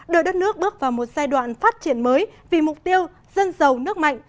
đưa đất nước bước vào một giai đoạn phát triển mới vì mục tiêu dân giàu nước mạnh